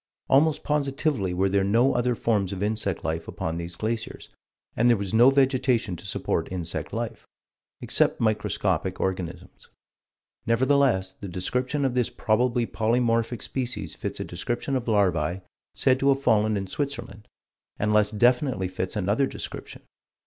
Almost positively were there no other forms of insect life upon these glaciers, and there was no vegetation to support insect life, except microscopic organisms. Nevertheless the description of this probably polymorphic species fits a description of larvae said to have fallen in Switzerland, and less definitely fits another description.